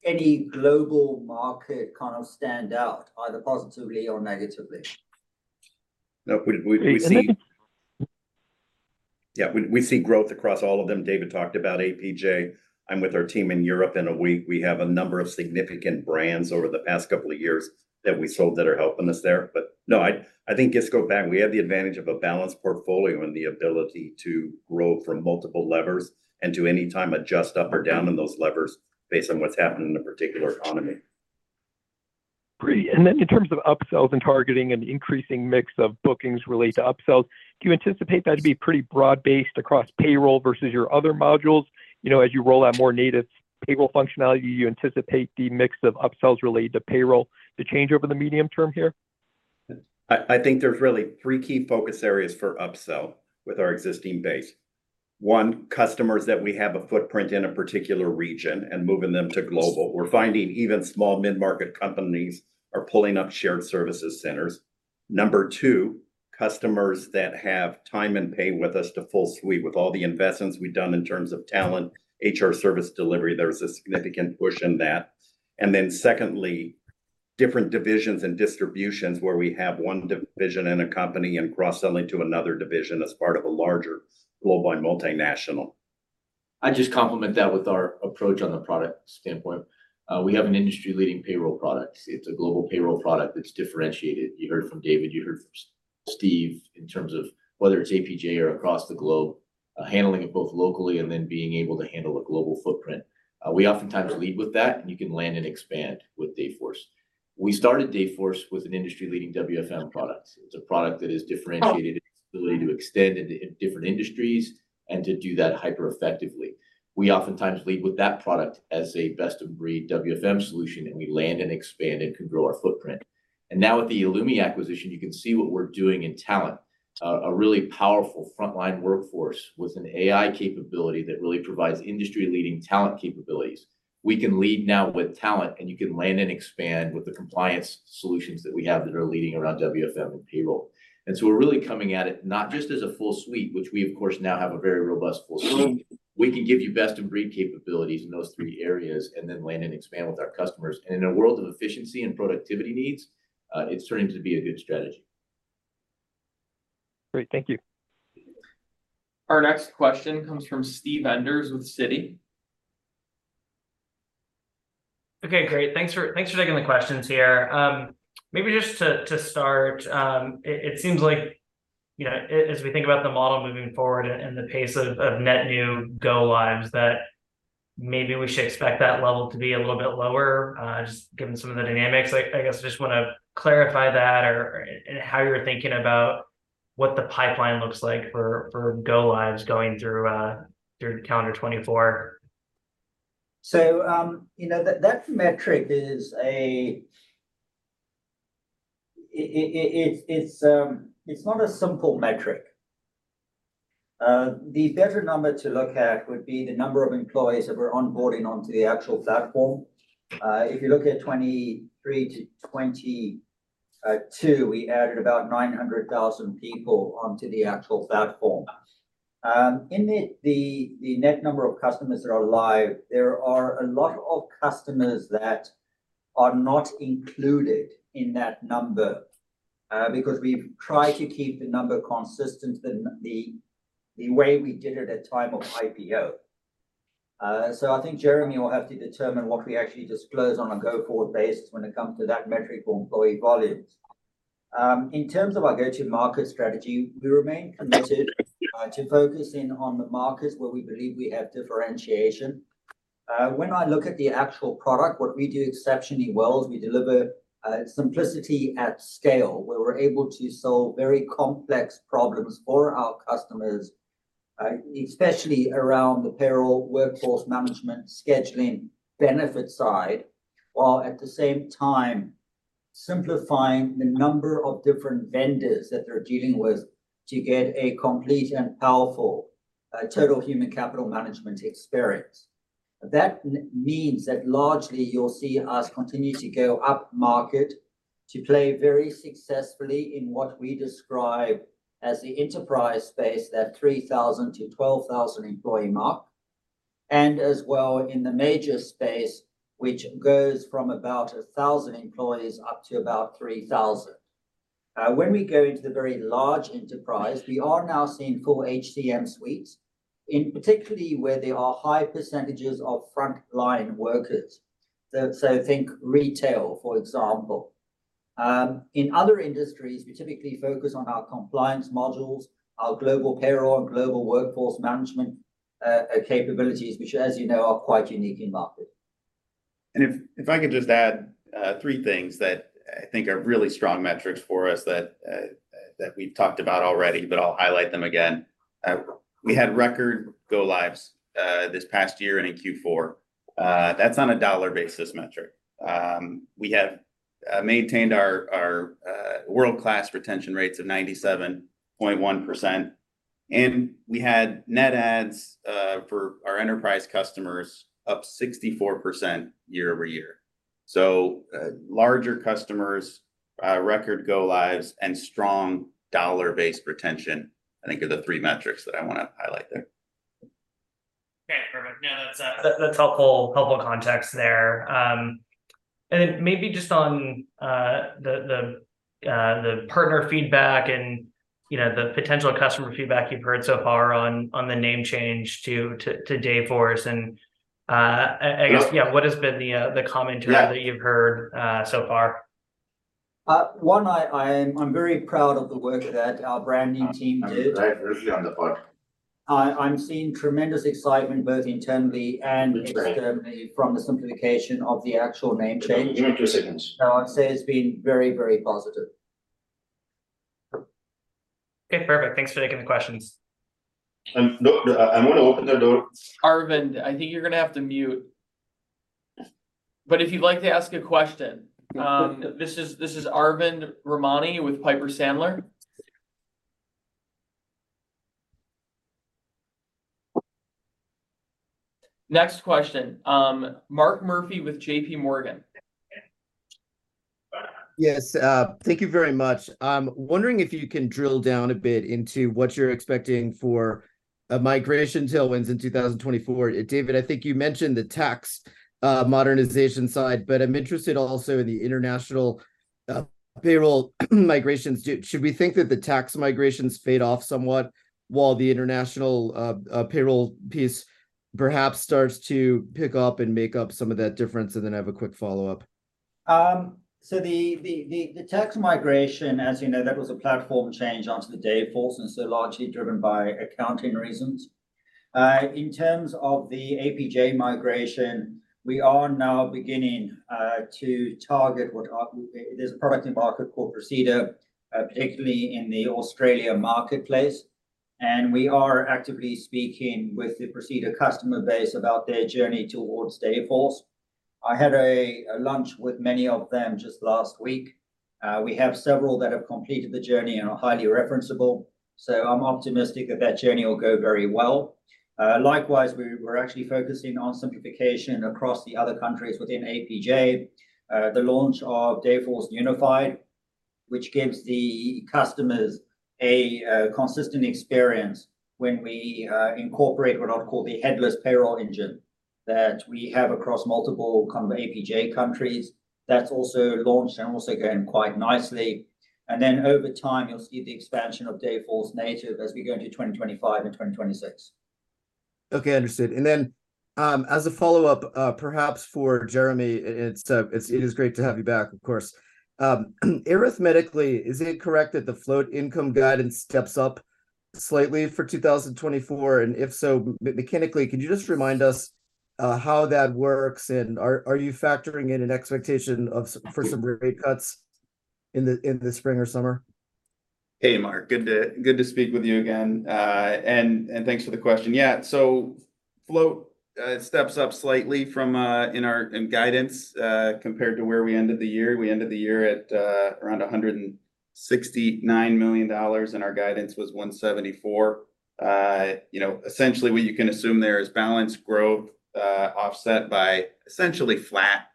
any global market kind of stand out, either positively or negatively. No, we see- Thank you. Yeah, we see growth across all of them. David talked about APJ. I'm with our team in Europe, and we have a number of significant brands over the past couple of years that we sold that are helping us there. But no, I think just go back. We have the advantage of a balanced portfolio and the ability to grow from multiple levers and to anytime adjust up or down on those levers based on what's happening in a particular economy. Great. Then in terms of upsells and targeting and increasing mix of bookings related to upsells, do you anticipate that to be pretty broad-based across payroll versus your other modules? You know, as you roll out more native payroll functionality, do you anticipate the mix of upsells related to payroll to change over the medium term here? I think there's really three key focus areas for upsell with our existing base. One, customers that we have a footprint in a particular region and moving them to global. We're finding even small mid-market companies are pulling up shared services centers. Number two, customers that have time and pay with us to full suite. With all the investments we've done in terms of Talent, HR Service Delivery, there's a significant push in that. And then secondly, different divisions and distributions where we have one division in a company and cross-selling to another division as part of a larger global multinational. I'd just complement that with our approach on the product standpoint. We have an industry-leading payroll product. It's a global payroll product that's differentiated. You heard it from David, you heard it from Steve in terms of whether it's APJ or across the globe, handling it both locally and then being able to handle a global footprint. We oftentimes lead with that, and you can land and expand with Dayforce. We started Dayforce with an industry-leading WFM product. It's a product that is differentiated, its ability to extend into different industries and to do that hyper effectively. We oftentimes lead with that product as a best-in-breed WFM solution, and we land and expand and can grow our footprint. And now with the eloomi acquisition, you can see what we're doing in talent. A really powerful frontline workforce with an AI capability that really provides industry-leading talent capabilities. We can lead now with talent, and you can land and expand with the compliance solutions that we have that are leading around WFM and payroll. And so we're really coming at it not just as a full suite, which we of course now have a very robust full suite. We can give you best-in-breed capabilities in those three areas and then land and expand with our customers. And in a world of efficiency and productivity needs, it's turning to be a good strategy. Great. Thank you. Our next question comes from Steve Enders with Citi. Okay, great. Thanks for, thanks for taking the questions here. Maybe just to start, it seems like, you know, as we think about the model moving forward and the pace of net new go-lives, that maybe we should expect that level to be a little bit lower, just given some of the dynamics. Like, I guess I just wanna clarify that or, and how you're thinking about what the pipeline looks like for go-lives going through through calendar 2024. So, you know, that metric is a... It's, it's not a simple metric. The better number to look at would be the number of employees that we're onboarding onto the actual platform. If you look at 2023-2022, we added about 900,000 people onto the actual platform. In the net number of customers that are live, there are a lot of customers that are not included in that number, because we've tried to keep the number consistent in the way we did it at time of IPO. So I think Jeremy will have to determine what we actually disclose on a go-forward basis when it comes to that metric for employee volumes. In terms of our go-to-market strategy, we remain committed to focusing on the markets where we believe we have differentiation. When I look at the actual product, what we do exceptionally well is we deliver simplicity at scale, where we're able to solve very complex problems for our customers, especially around the payroll, workforce management, scheduling, benefit side, while at the same time simplifying the number of different vendors that they're dealing with to get a complete and powerful total human capital management experience. That means that largely you'll see us continue to go upmarket to play very successfully in what we describe as the enterprise space, that 3,000-12,000 employee mark, and as well in the major space, which goes from about 1,000 employees up to about 3,000. When we go into the very large enterprise, we are now seeing full HCM suites, in particular where there are high percentages of frontline workers. So, so think retail, for example. In other industries, we typically focus on our compliance modules, our global payroll and global workforce management capabilities, which as you know, are quite unique in market. And if I could just add three things that I think are really strong metrics for us that we've talked about already, but I'll highlight them again. We had record go-lives this past year and in Q4. That's on a dollar basis metric. We have maintained our world-class retention rates of 97.1%, and we had net adds for our enterprise customers up 64% year-over-year. So, larger customers, record go-lives, and strong dollar-based retention, I think are the three metrics that I wanna highlight there. Okay, perfect. Yeah, that's that's helpful, helpful context there. And then maybe just on the partner feedback and, you know, the potential customer feedback you've heard so far on the name change to Dayforce. And I guess- Yeah... yeah, what has been the commentary- Yeah... that you've heard so far? I am, I'm very proud of the work that our branding team did. Right, early on the mark. I'm seeing tremendous excitement, both internally and externally- Exactly.... from the simplification of the actual name change. Give me two seconds. I'd say it's been very, very positive. Okay, perfect. Thanks for taking the questions. And look, I'm going to open the door. Arvind, I think you're going to have to mute. But if you'd like to ask a question, Okay... this is, this is Arvind Ramani with Piper Sandler. Next question, Mark Murphy with JPMorgan. Yes, thank you very much. I'm wondering if you can drill down a bit into what you're expecting for migration tailwinds in 2024. David, I think you mentioned the tax modernization side, but I'm interested also in the international payroll migrations. Should we think that the tax migrations fade off somewhat while the international payroll piece perhaps starts to pick up and make up some of that difference? And then I have a quick follow-up. So the tax migration, as you know, that was a platform change onto the Dayforce, and so largely driven by accounting reasons. In terms of the APJ migration, we are now beginning to target what are... There's a product in market called Preceda, particularly in the Australia marketplace, and we are actively speaking with the Preceda customer base about their journey towards Dayforce. I had a lunch with many of them just last week. We have several that have completed the journey and are highly referenceable, so I'm optimistic that that journey will go very well. Likewise, we're actually focusing on simplification across the other countries within APJ. The launch of Dayforce Unified, which gives the customers a consistent experience when we incorporate what I'd call the headless payroll engine, that we have across multiple kind of APJ countries. That's also launched and also going quite nicely. And then over time, you'll see the expansion of Dayforce Native as we go into 2025 and 2026. Okay, understood. And then, as a follow-up, perhaps for Jeremy, it's, it is great to have you back, of course. Arithmetically, is it correct that the float income guidance steps up slightly for 2024? And if so, mechanically, could you just remind us, how that works, and are you factoring in an expectation for some rate cuts in the spring or summer? Hey, Mark, good to speak with you again. Thanks for the question. Yeah, so float steps up slightly from in our guidance compared to where we ended the year. We ended the year at around $169 million, and our guidance was $174 million. You know, essentially, what you can assume there is balanced growth offset by essentially flat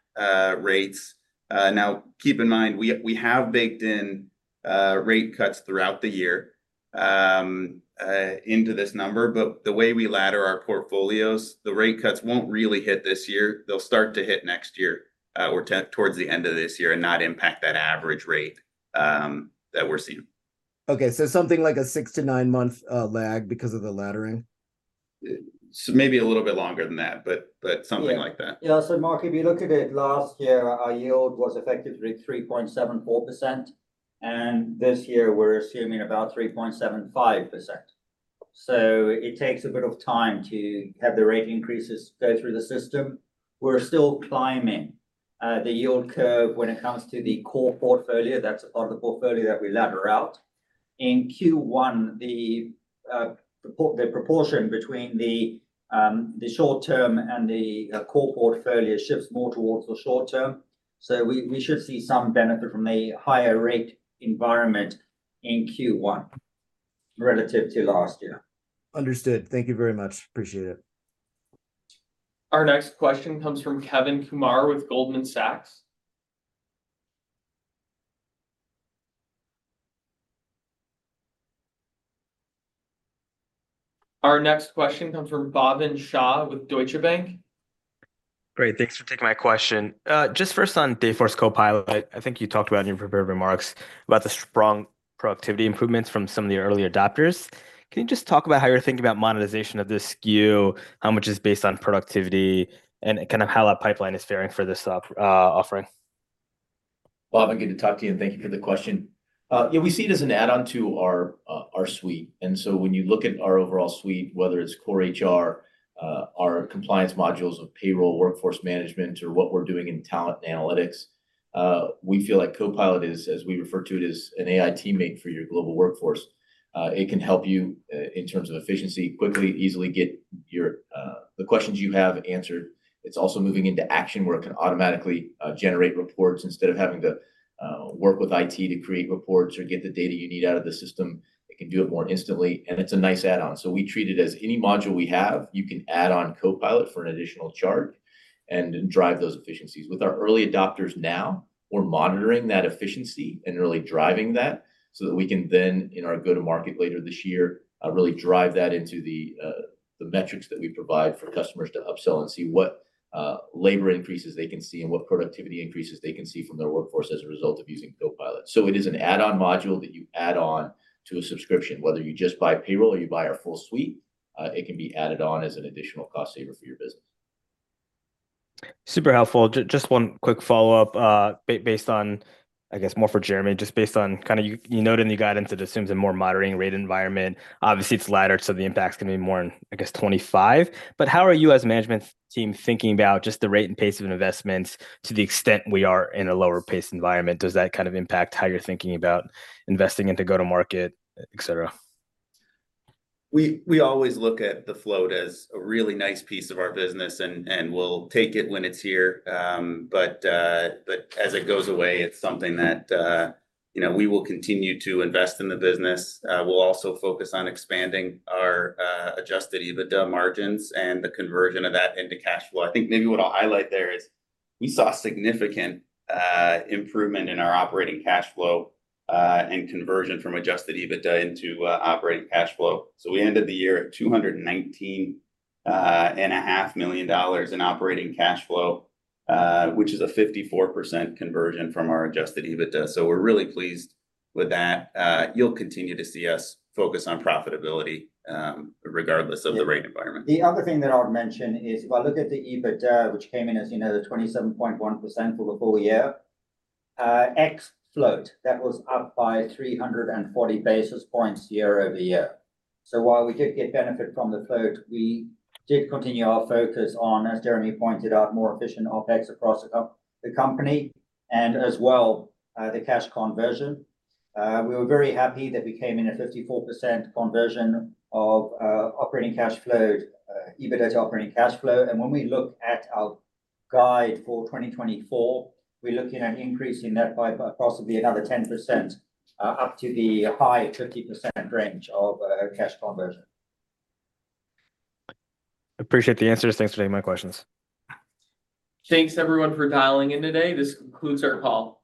rates. Now, keep in mind, we have baked in rate cuts throughout the year into this number. But the way we ladder our portfolios, the rate cuts won't really hit this year. They'll start to hit next year or towards the end of this year, and not impact that average rate that we're seeing. Okay, so something like a six-to-nine-month lag because of the laddering? Maybe a little bit longer than that, but something like that. Yeah. Yeah, so Mark, if you look at it, last year, our yield was effectively 3.74%. And this year, we're assuming about 3.75%. So it takes a bit of time to have the rate increases go through the system. We're still climbing the yield curve when it comes to the core portfolio. That's on the portfolio that we ladder out. In Q1, the proportion between the short term and the core portfolio shifts more towards the short term. So we should see some benefit from a higher rate environment in Q1 relative to last year. Understood. Thank you very much. Appreciate it. Our next question comes from Kevin Kumar with Goldman Sachs. Our next question comes from Bhavin Shah with Deutsche Bank. Great, thanks for taking my question. Just first on Dayforce Copilot, I think you talked about in your prepared remarks about the strong productivity improvements from some of the early adopters. Can you just talk about how you're thinking about monetization of this SKU? How much is based on productivity, and kind of how that pipeline is faring for this offering? Bhavin, good to talk to you, and thank you for the question. Yeah, we see it as an add-on to our, our suite. And so when you look at our overall suite, whether it's core HR, our compliance modules of payroll, workforce management, or what we're doing in talent analytics, we feel like Copilot is, as we refer to it, as an AI teammate for your global workforce. It can help you, in terms of efficiency, quickly, easily get your, the questions you have answered. It's also moving into action, where it can automatically, generate reports. Instead of having to, work with IT to create reports or get the data you need out of the system, it can do it more instantly, and it's a nice add-on. So we treat it as any module we have, you can add on Copilot for an additional charge and drive those efficiencies. With our early adopters now, we're monitoring that efficiency and really driving that, so that we can then, in our go-to-market later this year, really drive that into the metrics that we provide for customers to upsell and see what labor increases they can see and what productivity increases they can see from their workforce as a result of using Copilot. So it is an add-on module that you add on to a subscription. Whether you just buy payroll or you buy our full suite, it can be added on as an additional cost saver for your business. Super helpful. Just one quick follow-up, based on, I guess, more for Jeremy, just based on kinda you. You noted in the guidance it assumes a more moderating rate environment. Obviously, it's laddered, so the impact's gonna be more in, I guess, 25. But how are you as management team thinking about just the rate and pace of investments to the extent we are in a lower pace environment? Does that kind of impact how you're thinking about investing in to go to market, et cetera? We always look at the float as a really nice piece of our business, and we'll take it when it's here. But as it goes away, it's something that you know, we will continue to invest in the business. We'll also focus on expanding our Adjusted EBITDA margins and the conversion of that into cash flow. I think maybe what I'll highlight there is we saw significant improvement in our operating cash flow and conversion from Adjusted EBITDA into operating cash flow. So we ended the year at $219.5 million in operating cash flow, which is a 54% conversion from our Adjusted EBITDA. So we're really pleased with that. You'll continue to see us focus on profitability, regardless of the rate environment. The other thing that I would mention is, if I look at the EBITDA, which came in, as you know, 27.1% for the full year, ex float, that was up by 340 basis points year-over-year. So while we did get benefit from the float, we did continue our focus on, as Jeremy pointed out, more efficient OpEx across the company and as well, the cash conversion. We were very happy that we came in at 54% conversion of operating cash flow, EBITDA to operating cash flow. And when we look at our guide for 2024, we're looking at increasing that by possibly another 10%, up to the high 50% range of cash conversion. Appreciate the answers. Thanks for taking my questions. Thanks, everyone, for dialing in today. This concludes our call.